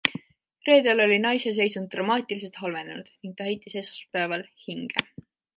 Reedel oli naise seisund dramaatiliselt halvenenud ning ta heitis esmaspäeval hinge.